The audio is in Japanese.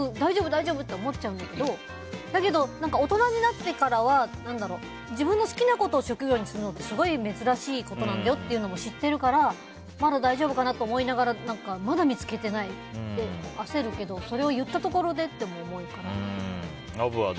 大丈夫？って思っちゃうんだけどだけど、大人になってからは自分の好きなことを職業にするのってすごい珍しいことなんだよっていうことも知ってるからまだ大丈夫かなと思いながらまだ見つけてないって焦るけど、それを言ったところでとも思うから。